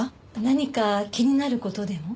何か気になる事でも？